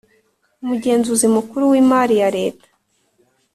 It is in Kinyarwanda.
Umugenzuzi Mukuru w Imari ya Leta